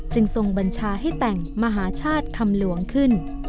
ทรงบัญชาให้แต่งมหาชาติคำหลวงขึ้น